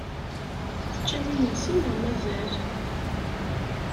Teččam imensi neɣ mazal?